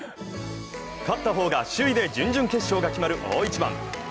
勝った方が首位で準々決勝が決まる、大一番。